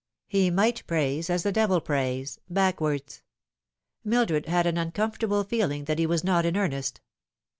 He might praise as the devil prays backwards. Mildred had an uncomfortable feeling that he was not in earnest.